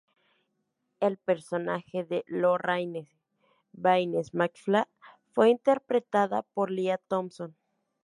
El personaje de Lorraine Baines McFly fue interpretada por Lea Thompson.